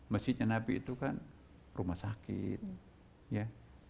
masjidnya nabi itu kan rumah sakit ya